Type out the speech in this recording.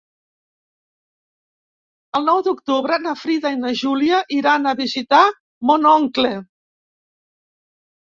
El nou d'octubre na Frida i na Júlia iran a visitar mon oncle.